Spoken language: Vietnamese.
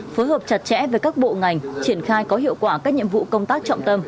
phối hợp chặt chẽ với các bộ ngành triển khai có hiệu quả các nhiệm vụ công tác trọng tâm